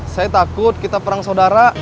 saya takut kita perang saudara